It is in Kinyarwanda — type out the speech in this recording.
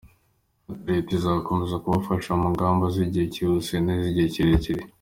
Ati “Leta izakomeza kubafasha mu ngamba z’igihe cyihuse n’iz’igihe kirekire.